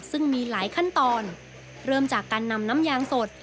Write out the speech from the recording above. ซึ่งมีหลายขั้นตอนเริ่มจากการนำน้ำยางสด